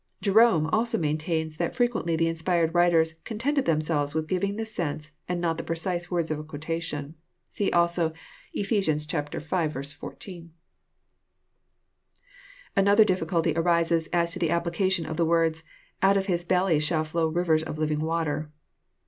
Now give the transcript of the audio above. Jerome also maintains that fre quently the inspired writers contented themselves with giving the sense and not the precise words of a quotation. (See also Ephes. V. 14.) Another difficulty arises as to the application of the words, " Out of his belly shall flow rivers of living water."